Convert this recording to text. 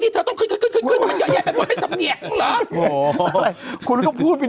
ที่ต้องขึ้น